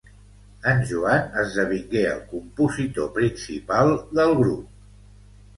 En Joan esdevingué el compositor principal del grup.